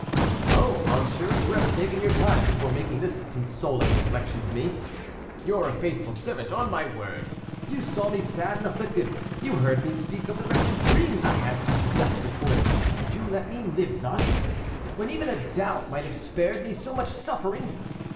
"Oh, monsieur, you have taken your time before making this consoling reflection to me. You are a faithful servant, on my word; you saw me sad and afflicted, you heard me speak of the wretched dreams I had since the death of this woman, and you let me live thus, when even a doubt might have spared me so much suffering.